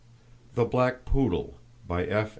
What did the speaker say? THE BLACK POODLE, By F.